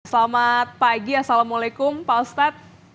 selamat pagi assalamualaikum pak ustadz